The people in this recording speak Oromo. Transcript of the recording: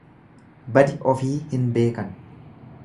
Badi ofii hin beekan.